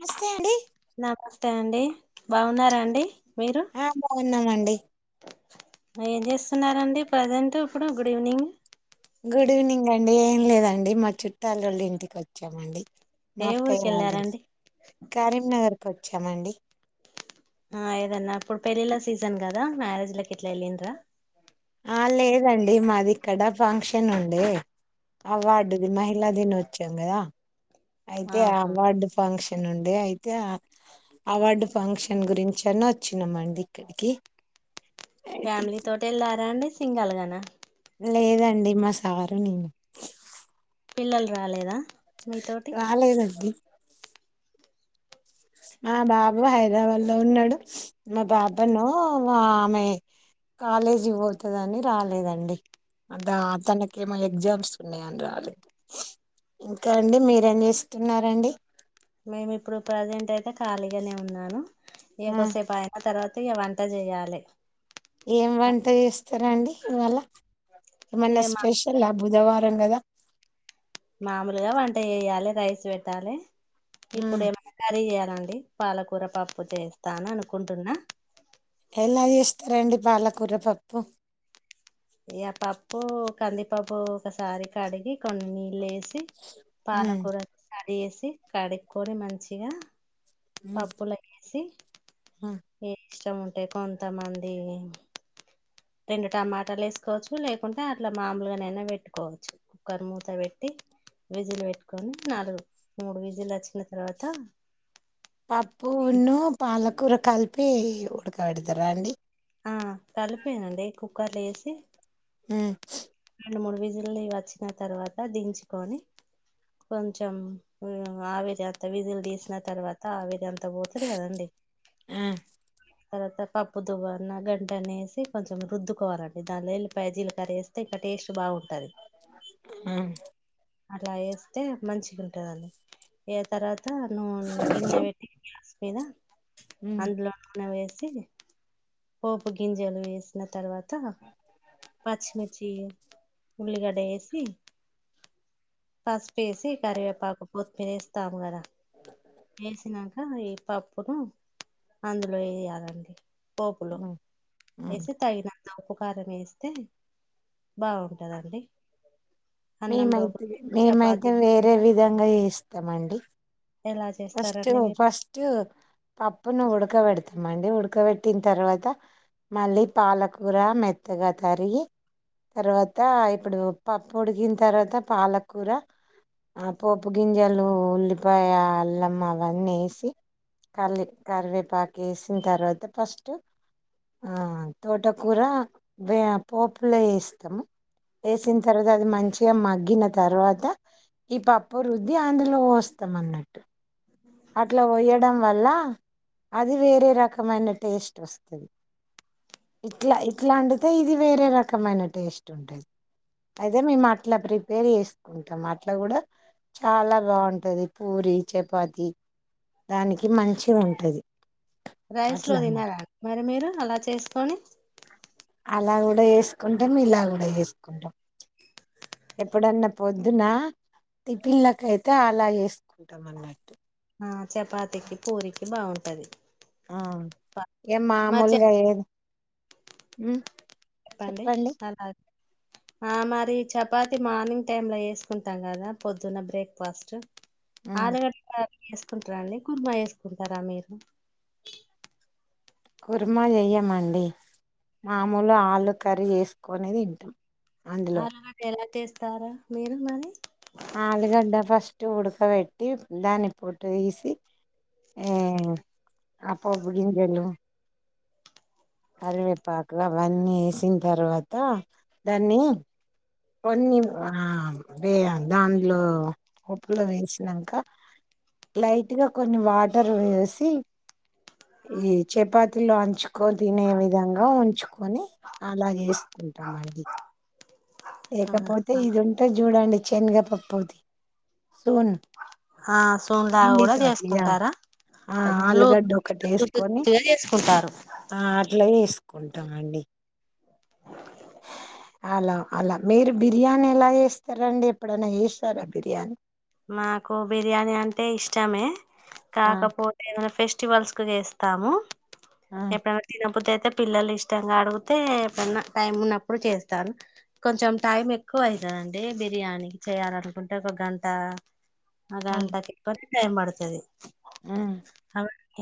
నమస్తే అండి నమస్తే అండి బాగున్నారా అండి మీరు ఆ బాగున్నామండి చూన్నారండి ప్రజెంట్ ఇప్పుడు గుడ్ ఈవినింగ్ గుడ్ ఈవినింగ్ అండి ఏం లేదండి మా చుట్టాలోళ్ళ ఇంటికి వచ్చామండి మా ఏ అత్తయ్య ఊరికి వాళ్ళ ఇల్లు వెళ్ళారండి కరీంనగర్ కి వచ్చామండి ఆ ఏదన్నా ఇప్పుడు పెళ్ళిళ్ళ సీజన్ కదా మ్యారేజ్ లకి ఇట్లా ఎళ్ళిండ్రా ఆ లేదండి మాది ఇక్కడ ఫంక్షన్ ఉండే అవార్డుది మహిళా దినోచ్చవం కదా అయితే ఆహా అవార్డు ఫంక్ష న్ ఉండే అయితే ఆ అవార్డు ఫంక్షన్ గురించి అనా వచ్చినాం అండి ఇక్కడికి అయితే ఫ్యామిలీ తోటి ఎళ్ళారా అండి సింగల్ గనా లేదండి మా సారు నేను పిల్లలు రాలేదా మీతోటి రాలేదండి మా బాబా హైదరాబాద్ లో ఉన్నాడు మా బాబాను ఆమె కాలేజ్ కి పోతదాని రాలేదండి అదా అతనికి ఏమో ఎగ్జామ్స్ ఉన్నాయని రాలేదు ఇంకా అండి మీరేం చేస్తున్నారంండి మేము ఇప్పుడు ప్రజెంట్ అయితే ఖాళీగానే ఉన్నాను ఇగ ఆ కొసేపు అయ్యాక తర్వాత అ ఇ వంట చేయాలి ఏం వంట చేస్తారా అండి ఇవాళ ఇగ ఏమన్నా మా స్పెషల్ ఆ బుధవారం వారం కదా మామూలుగా వంట చేయాలి రైస్ పెట్టాలి ఇప్పుడు ఉమ్ ఏమన్నా కర్రీ చేయ్యాలండి పాలకూర పప్పు చేస్తాను అనుకుంటున్నా ఎలా చేస్తారంండి పాలకూర పప్పు ఇ పప్పు కందిపప్పు ఒకసారి కడిగి కొన్నిీళ్ళ వేసి పాలకూర కడి చేేసి కడుక్కొని మంచిగా పపు సి ఏ ఇష్టం ఉంటే కొంతమంది రెండు టమాటాలు వేసుకోవచ్చు లేకుంటే అట్లా మామూలుగానైనా పెట్టుకోవచ్చు కుక్కర్ మూత పెట్టి విజిలు పెట్టుకొని నాలుగు మూడు విజిలు వచ్చిన తర్వాత పప్పు ఉన్న పాలకూర కలిపి ఉడకబెడతారా అండి ఆ కలిపోయానండి కుక్కర్లు వేసి ఉ రెండు మూడు విజులు వచ్చిన తర్వాత దించుకొని కొంచం ఆవిరి అంత విజిలు తీసిన తర్వాత ఆవిరింత ంత పోతుది కదా అండి ఆ తర్వాత కప్పు దు్వన్న గంటనేేసి కొంచెం రుద్దుకోవాలండి దాలో ఉల్లిపాయ జీలకర్ర వేస్తే టేస్ట్ బాగుంది ఉ అట్లా వేస్తే మంచిగా ఉంటదని ఏ తర్వాత నూనె గిన్నె పెట్టి గ్యాస్ మీద ఉమ్ అందులో నూనె వేసి పోపు గింజలు వేసిన తర్వాత పచ్మిచి ఉలిగాడ ఏసి బస్ పేసి కారవే పాకు పొత్ మీరస్త తమగ వేసినాక ఈ పప్పును అందులో వేయాలండి పోపులు ఉమ్ ఉమ్ ఎస తగనా ఆపకారం వేస్తే బాగుంటందండి మేమైతే మేమైతే వేరే కూరలా విధంగా ఇస్తామ అండి ఎలా ఫస్ట్ చేస్తారండి మీరు ఫస్ట్ పప్పును కొడుక పెడితే మండి ఉడకబెట్టిన తర్వాత మళ్ళీ పాలకూర మెత్తగా తరిగి తర్వాత ఇప్పుడు పప్పు ఉొడికిన తర్వాత పాలకూర ఆ పోపు గింజలు ఉల్లిపాయ ల అవన్నీ వేసి క కరివేపాకు వేసిన తర్వాత ఫస్ట్ ఆ తోటకూర వే పోపులే ఇేస్తాము వేసిన తర్వాత అది మంచిగా మగ్గిన తర్వాత ఈ పప్పు వుద్దిి అధలో వస్తాం అన్నట్టు అట్లా వయ్యడం వల్ల అది వేరే రకమైన టేస్ట్ వస్తుంది ఇట్లా ఇట్లాంటితే ఇది వేరే రకమైన టేస్ట్ ఉంటుది అయితే మేము అట్లా ప్రిపేర్ చేసుకుంటాం అట్లా కూడా చాలా బాగుంటది పూరి చపాతి దానికి మంచి ఉంటది రైస్ లో అట్లా అన్నట్టు తినారా మరి మీరు అలా చేసుకొని అలా కూడా వేసుకుంటాం ఇలా కూడా చేసుకుంటాం ఎప్పుడన్నా పొద్దున టి పిల్లకైతే అలా వేసుకుంటాం అన్నమాట్టు ఆ చపాతికి పూరిీకి బాగుంటది ఆ ఏ మరి చె మామూలుగా ఉ చెప్పండి ఎలాగు ఆ మరి చపాతి మార్నింగ్ టైమ్ లో వేసుకుంటాం కదా పొద్దున బ్రేక్ఫాస్ట్ ఉమ్ ఆలుగడ్డ చేసుకుంటారా అండి కుర్మ చేసుకుంటారా మీరు కుర్మా చెయ్యమండి మామూలు ఆలు కర్రీ చేసుకుని తింటం ఆలుగడ్డ ఎలా చేస్తారు మీరు మరి ఆలుగడ్డ ఫస్ట్ ఉడకబెట్టి దాన్ని పొట్టు తీసి ఏ అప్పుడు ఉల్లిగడ్డలు వేసి కరవేపాకు అవన్నీ వేసిన తర్వాత దాన్ని కొన్ని దానిలో పోపుల వేసినంకా లైట్గా కొన్ని వాటర్ వేసి ఈ చపాతిలో అంచుకొని తినే విధంగా ఉంచుకొని అలా చేసు కుంటామండి ఆ లేకపోతే ఇది ఉంటది చూడండి శనగ పప్పు ది సూప్ ఆ సూప్ లాగా కూడా చేసుకుంటారా ఆ అలా ఆలుగడ్డ ఒకటి వేసుకొని కొందరు చేసుకుంటారు ఆ అట్ల గూడా చేసుకుంటామండి అలా అలా మీరు బిర్యానీ ఎలా చేస్తారండి ఎప్పుడైనా చేస్తారా బిర్యానీ మాకు బిర్యానీ అంటే ఇష్టమే ఆ కాకపోతే ఎమన్నా ఫెస్ట్ వల్స్ కు చేస్తాము ఆ ఎప్పుడైనా తినబుద్ది అయితే పిల్లలు ఇష్టంగా అడిగుతే ఏప్పుడన్నా టైం ఉన్నప్పుడు చేస్తాను కొంచెం టైం ఎక్కువ అవుతుందండి బిర్యానీ చేయాలనుకుంటే ఒక గంట ఆ గంటకి కొంచెం టైం పడుతది మ్మ్ హ్హ్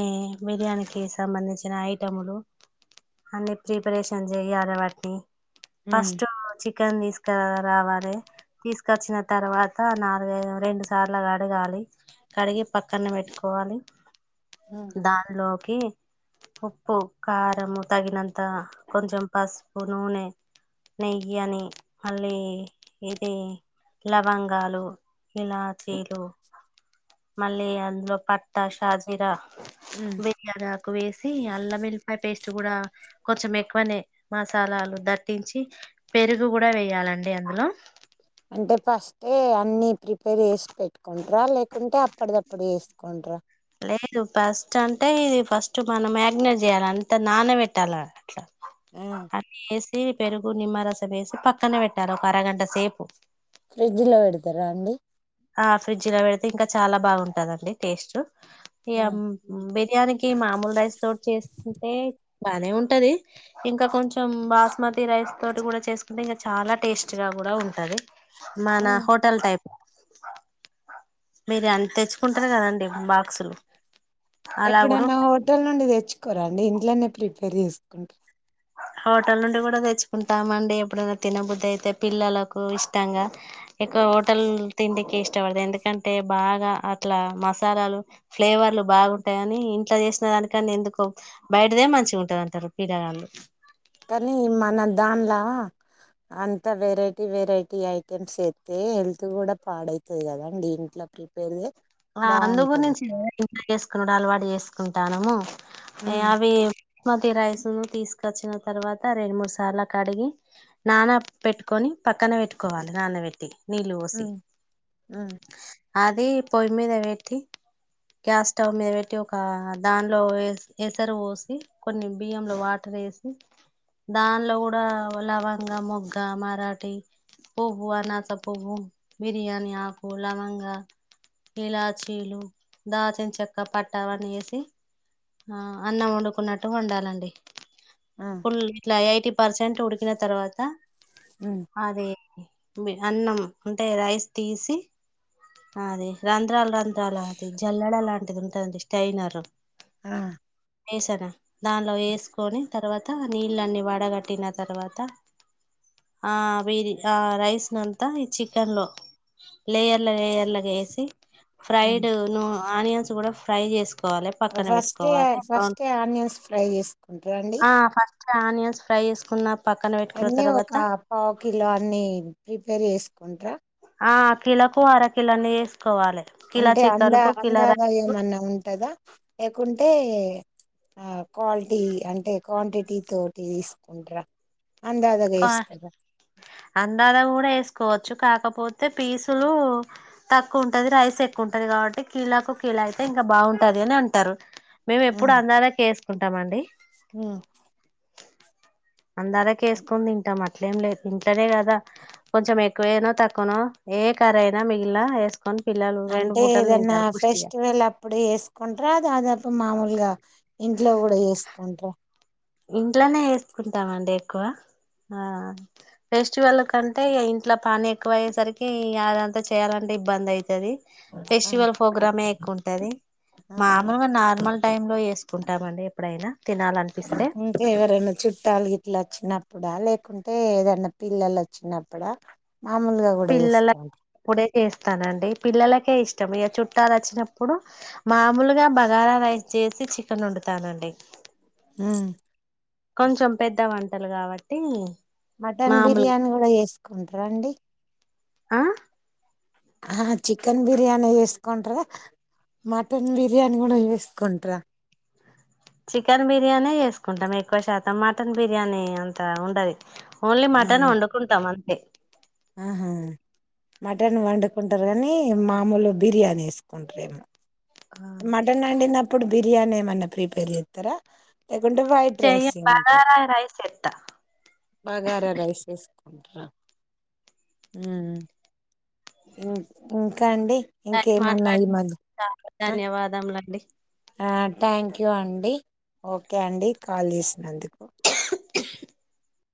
ఏ బిర్యానీకిి సంబంధించిన ఐటములు అన్ని ప్రీపరేషన్ చేయ్యాలి వాటిని ఉమ్ ఫస్ట్ చికెన్ తీసుకు రావాలి తీసుకొచ్చిన తర్వాత రెండు సార్లకడగాలి కడిగి పక్కన పెట్టుకోవాలి దానిలోకి ఉప్పు కారము తగినంత కొంచెం పసుపు నూనె నెయ్యి అని మళ్ళీ ఇది లవంగాలు ఇలాచీలు మళ్ళీ అందులో పట్టా షాజీరా ఉమ్ బిర్యానీ ఆకు ఎక్కువ వేసి అల్లఎల్లిపాయ పేస్ట్ కూడా కొంచెం ఎక్కువనే మసాలాలు పట్టించి పెరుగు కూడా వెేయాలండి అందులో అంటే ఫస్ట్ అన్ని ప్రిపేర్ చేసి పెట్టుకుంటార లేకుంటే అప్పటిదప్పుడు చేసుకుంటారా కొంట లేదు ఫస్ట్ అంటే ఇది ఫస్ట్ మనం మ్యాగ్నేట్ చేయాలి అంత నానబట్టాలి అట్లా అన్ని వేసి పెరుగు నిమ్మరసం వేసి పక్కన పెట్టాలి ఒక అరగంట సేపు ఫ్రిడ్జ్ లో పెడతారా అండి ఆ ఫ్రిడ్జ్ లో పెడితే ఇంకా చాలా బాగుంటదండి టేస్ట్ ఇగ బిర్యానికి మామూలు రైస్ తోటి చేస్తుంటే బానే ఉంటది ఇంకా కొంచెం బాస్మతి రైస్ తోటి కూడా చేసుకుంటే ఇంకా చాలా టేస్ట్ గా కూడా ఉంటది మన ఉమ్ హోటల్ టైప్ మీరు తెచ్చుకుంటారు కదండి బాక్సులు అలా కూడా ఎప్పుడన్నా హోటల్ నుండి తెచ్చుకోరా అండి ఇంట్లోనే ప్రిపేర్ చేసుకుంటార హోటల్ నుండి కూడా తెచ్చుకుంటామండి ఎప్పుడైనా తినబుద్ధి అయితే పిల్లలకు ఇష్టంగా ఎక్కువ హోటల్ తిండికి ఇష్టపడతు ఎందుకంటే బాగా అట్లా మసాలాలు ఫ్లేవర్ లు బాగుంటయని ఇంట్ల చేసిన దానికంటే ఎందుకో బయటదే మంచిగా ఉంటదంటారు పీలగాళ్లు దాన్లా అంతా వెరైటీ వెరైటీ ఐటెమ్స్ చేత్తే హెల్త్ గూడా పాడైతది గదా అండి ఇంట్లో [unintelligible] ఆ బాగుంటది అందుగురించే ఇంట్లోనే జేసుకున్నుడు అలవాటు జేసుకుంటానము ఏ ఉమ్ అవి మతి రైసూ తీసుకొచ్చిన తర్వాత రెండు మూడు సార్ల కడిగి నాన పెట్టుకొని పక్కన వెట్టుకోవాలి నానవెట్టి నీళ్ళు బోసి ఉమ్ ఉమ్ అది పొయ్యి మీద వెట్టి గ్యాస్ స్టవ్ మీద వెట్టి ఒక దానిలో ఎసరు పోసి కొన్ని బియ్యంలో వాట వేసి దానిలో గుడా లవంగ మొగ్గ మరాఠీ పువ్వు అనాస పువ్వు బిర్యానీ ఆకు లవంగ ఇలాచీలు దాచిన చెక్క పట్టా అవన్నీ ఏసి ఆ అన్నం వండుకున్నట్టు వండాలండి ఆ ఫుల్ ఇట్లా ఎయిటీ పర్సెంట్ ఉడికిన తర్వాత ఉమ్ అదే బి అన్నం అంటే రైస్ తీసి అది రం రంధ్రాల రంధ్రాాల అది జల్లడ లాంటిది ఉంటాదండి స్టైనరు ఆ మిసాను దానిలో వేసుకొని తర్వాత నీళ్ళన్నీ వడగట్టిన తర్వాత ఆ వి ఆ రైస్ నంతా ఈ చికెన్ లో లేేయర్ల లేయర్లాగ ఏసి ఉమ్ ఫ్రైడు ను ఆనియన్స్ గుడా ఫ్రై జేస్ కోవాలె పక్కన ఫస్ట్ వెట్టుకోవాలె వుంట్రా అండి ఆనియన్స్ ఫ్రై జేసుకున్నా అన్నీ ఒక పావు కిలో అన్ని ప్రిపేర్ జేసుకుంట్ర ఆ కిలొకు అర కిలో అన్ని ఏస్ వేసుకోవాలి అంటే అంద అందక రైస్ ఏమన్నా ఉంటదా లేకుంటే ఆ క్వాలిటీ అంటే క్వాంటిటీ తోటి తీసుకుంటరా కా అందాన గూడ ఏస్ కోవచ్చు కాకపోతే పీసులు తక్కువ ఉంటది రైస్ ఎక్కువ ఉంటది గాబట్టి కీలాకు కీలా అయితే ఇంకా బావుంటది అని అంటారు మేము ఎప్పుడు అందాలెక్క ఏసుకుంటామండి ఆ అందారేకేసుకొని దింటామ ఇట్లేం లేదు ఇంట్లోనే కదా కొంచెం ఎక్కువేనో తక్కువనో ఏ కర్ర అయినా మిగిలా వే అంటే ఏదన్నా ఫెస్టివల్ అప్పుడు ఏసుకుంటారా దాదాపు మామూలుగా ఇంట్లో గుడా ఏసుకుంట్రా ఇంట్లోనే ఏసుకుంటామండి ఎక్కువ ఆ ఫెస్టివల్ కంటే ఇగ ఇంట్లో పని ఎక్కువ అయ్యేసరికి అదంతా చేయాలం ఇబ్బంది అయితది ఆ ఫెస్టివల్ ఫోగ్రామే ఎక్కువ ఉంటది ఆ మామూలుగా నార్మల్ టైమ్ లో ఏసుకుంటామండి ఎప్పుడైనా తినాలనిపిస్ ఇంట్లో ఎవరైనా చుట్టాలు గిట్లా వచ్చినప్పుడా లేకుంటే ఏదన్నా పిల్లలు వచ్చినప్పుడా మాములుగా గుడా ఏసుకొంట్ర ఏస్తానండి పిల్లలకే ఇష్టం ఇగ చుట్టాలొచ్చినప్పుడు మామూలుగా బగారా రైస్ చేసి చికనొండుతా నండి ఊమ్ కొంచెం పెద్ద వంటలు గావట్టి మటన్ బిర్యానీ గుడా ఏసుకుంట్ర అండి ఆ ఆహ చికెన్ బిర్యాని ఏస్కుంట్ర మటన్ బిర్యాని కూడా వేసుకుంట్ర చికెన్ బిర్యానీ చేసుకుంటాం ఎక్కువ శాతం మటన్ బిర్యానీ అంతా ఉండది ఓన్లీ ఆ మటన్ వండుకుంటాం అంతే ఆహా మటన్ వండుకుంటారు కానీ మామూలు బిర్యానీ వేసుకుంటారేమో మటన్ వండినప్పుడు బిర్యానీ ఏమన్నా ప్రిపేర్ చెత్తర లేకుంటే వైట్ చెయ్య రైస్ చేసుకుంటారా బగారా రైస్ ఎత్తా బఘారా రైస్ చేస్ ట్ర మ్మ్ ఇన్ ఇంకా అండి ఇంకేమన్న మాట్లాడి ఈ మధ్య ఆ ధన్యవాదములండి ఆ థ్యాంక్ యూ అండి ఓకే అండి కాల్ చేసినందుకు